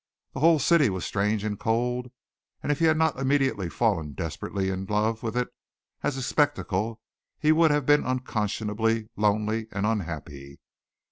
The whole city was strange and cold, and if he had not immediately fallen desperately in love with it as a spectacle he would have been unconscionably lonely and unhappy.